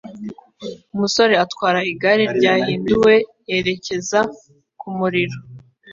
Umusore atwara igare ryahinduwe yerekeza kumuriro